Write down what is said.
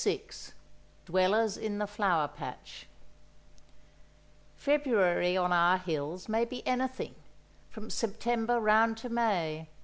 VI Dwellers in the Flower Patch February on our hills may be anything—from September round to May.